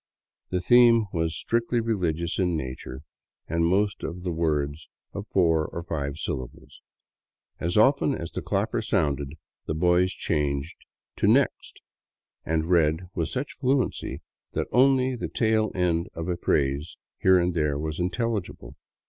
The theme was strictly religious in nature and most of the words of four or five syllables. As often as the clapper sounded, the boys changed to " next " and read with such fluency that only the tail end of a phrase here and there was intelligible.